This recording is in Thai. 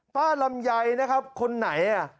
ลำไยนะครับคนไหน